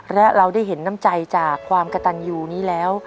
และเราได้เห็นน้ำใจจากความกระตันยูนี้แล้ว